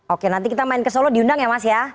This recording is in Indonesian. oke nanti kita main ke solo diundang ya mas ya